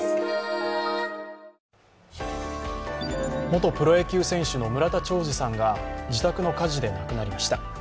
元プロ野球選手の村田兆治さんが自宅の火事で亡くなりました。